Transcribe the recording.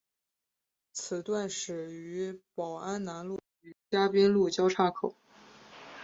此段始于宝安南路与嘉宾路交叉口。